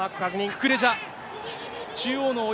ククレジャ。